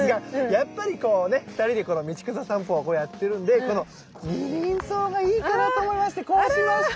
やっぱりこうね２人でこの道草さんぽやってるんでこのニリンソウがいいかなと思いましてこうしました！